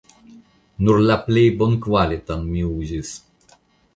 Nur la plej bonkvalitan mi uzis.